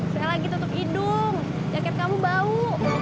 sekali lagi tutup hidung jaket kamu bau